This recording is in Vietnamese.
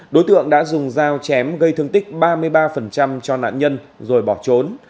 đối tượng đã dùng dao chém gây thương tích ba mươi ba cho nạn nhân rồi bỏ trốn